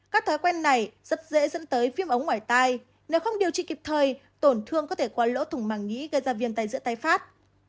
các thói quen này rất dễ dẫn tới viêm ống ngoài tai nếu không điều trị kịp thời tổn thương có thể qua lỗ thùng màng nghĩ gây ra viêm tay giữa tay phát